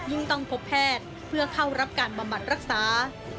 ต้องพบแพทย์เพื่อเข้ารับการบำบัดรักษา